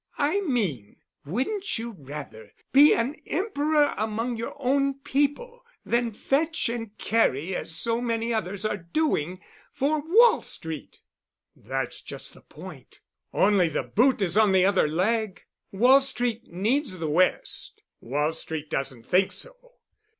"I mean, wouldn't you rather be an emperor among your own people than fetch and carry—as so many others are doing—for Wall Street?" "That's just the point. Only the boot is on the other leg. Wall Street needs the West. Wall Street doesn't think so.